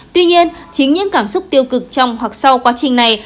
tuy nhiên chính những cảm xúc tiêu cực trong hoặc sau quá trình này